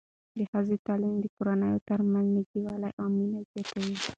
د ښځینه تعلیم د کورنیو ترمنځ نږدېوالی او مینه زیاتوي.